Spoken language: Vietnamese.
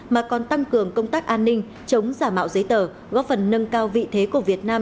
mà còn tăng cường công tác an ninh chống giả mạo giấy tờ góp phần nâng cao vị thế của việt nam